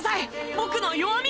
僕の弱み！